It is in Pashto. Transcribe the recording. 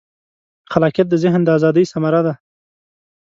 خلاقیت د ذهن د ازادۍ ثمره ده.